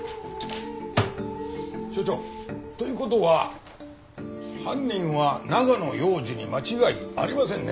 署長という事は犯人は長野庸次に間違いありませんね。